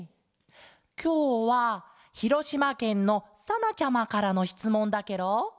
きょうはひろしまけんのさなちゃまからのしつもんだケロ。